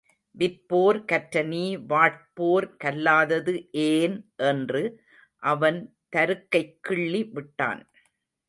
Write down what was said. விற்போர் கற்ற நீ வாட்போர் கல்லாதது ஏன் என்று அவன் தருக்கைக் கிள்ளி விட்டான்.